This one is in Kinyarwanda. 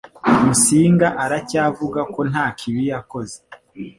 Musinga aracyavuga ko nta kibi yakoze.